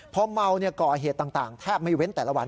พอเมาก่อเหตุต่างแทบไม่เว้นแต่ละวัน